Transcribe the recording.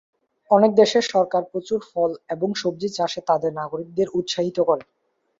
অনেক দেশের সরকার প্রচুর ফল এবং সবজি চাষে তাদের নাগরিকদের উৎসাহিত করে।